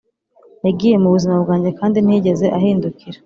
yagiye mu buzima bwanjye kandi ntiyigeze ahindukira.